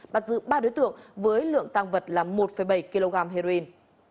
bắt giữ ba đối tượng với lượng tăng vật là một bảy kg heroin